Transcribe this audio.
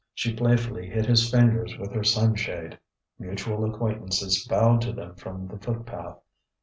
She playfully hit his fingers with her sunshade. Mutual acquaintances bowed to them from the footpath.